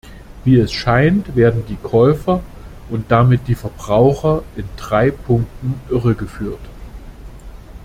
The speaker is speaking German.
Wie es scheint, werden die Käufer und damit die Verbraucher in drei Punkten irregeführt.